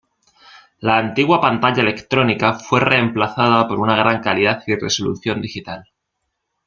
La antigua pantalla electrónica fue reemplazada por una de gran calidad y resolución digital.